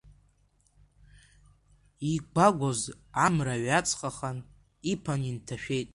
Игәагәоз амра ҩаҵхахан, иԥан инҭашәеит.